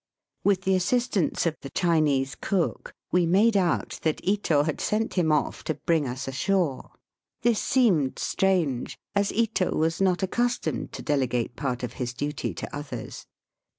With the assistance of the Chinese cook we made out that Ito had sent him off to bring us ashore. This seemed strange, as Ito was not accustomed to delegate part of his duty to others.